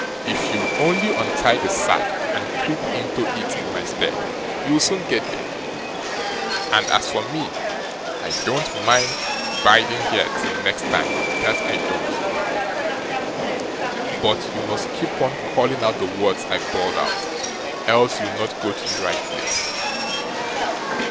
"If you'll only untie the sack, and creep into it in my stead, you'll soon get there. As for me, I don't mind biding here till next time, that I don't. But you must keep on calling out the words I bawled out, else you'll not go to the right place."